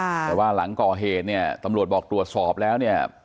แต่ว่าหลังก่อเหตุเนี่ยตำรวจบอกตรวจสอบแล้วเนี่ย